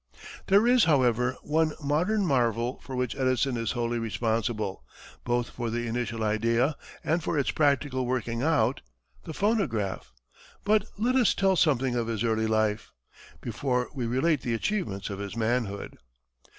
There is, however, one modern marvel for which Edison is wholly responsible, both for the initial idea and for its practical working out the phonograph but let us tell something of his early life, before we relate the achievements of his manhood.